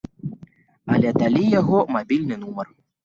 Але далі яго мабільны нумар.